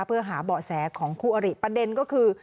เพื่อหาเบาะแสของคู่อริประเด็นก็คือ